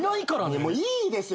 もういいですよ。